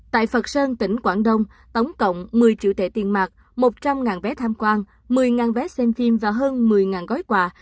tại phật sơn tỉnh quảng đông tổng cộng một mươi triệu tệ tiền mặt một trăm linh vé tham quan một mươi vé xem phim và hơn một mươi gói quà sẽ được gửi đến tỉnh hàn châu